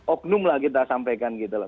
oknum lah kita sampaikan gitu loh